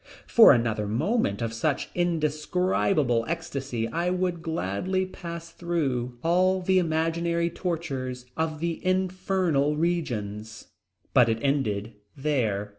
For another moment of such indescribable ecstasy I would gladly pass through all the imaginary tortures of the infernal regions. But it ended there.